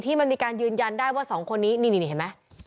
มันมีการยืนยันได้ว่าสองคนนี้นี่เห็นไหม